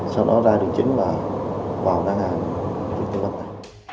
sau đó ra đường chính và vào đán hàng của tư vấn này